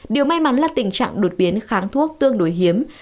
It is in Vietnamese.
điều may mắn là tình trạng đột biến kháng thuốc tương đối hiếm